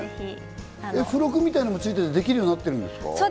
付録みたいなのもついてて、できるようになってるんですか？